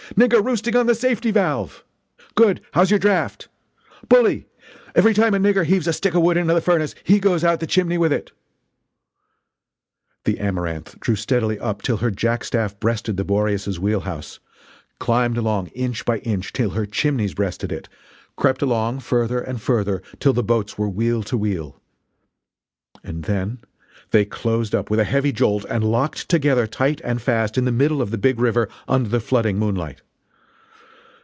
nigger roosting on the safety valve!" "Good! How's your draft?" "Bully! Every time a nigger heaves a stick of wood into the furnace he goes out the chimney, with it!" The Amaranth drew steadily up till her jack staff breasted the Boreas's wheel house climbed along inch by inch till her chimneys breasted it crept along, further and further, till the boats were wheel to wheel and then they closed up with a heavy jolt and locked together tight and fast in the middle of the big river under the flooding moonlight!